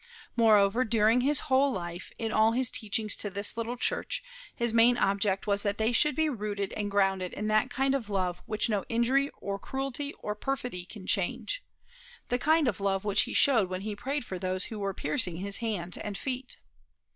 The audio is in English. Moreover, during his whole life, in all his teachings to this little church, his main object was that they should be rooted and grounded in that kind of love which no injury, or cruelty, or perfidy can change, the kind of love which he showed when he prayed for those who were piercing his hands and feet.